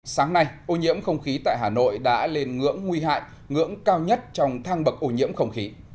sáng nay ô nhiễm không khí tại hà nội đã lên ngưỡng nguy hại ngưỡng cao nhất trong thang bậc ô nhiễm không khí